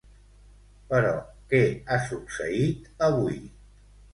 Però què ha succeït avui?